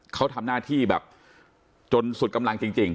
เขาทำหน้าที่แบบจนสุดกำลังจริง